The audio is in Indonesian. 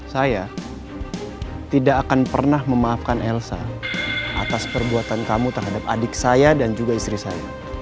saya tidak akan pernah memaafkan elsa atas perbuatan kamu terhadap adik saya dan juga istri saya